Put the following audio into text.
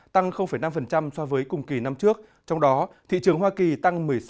tăng năm so với cùng kỳ năm trước trong đó thị trường hoa kỳ tăng một mươi sáu